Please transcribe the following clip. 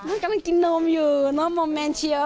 น้องกำลังกินนมอยู่น้องมองแม้งเชียว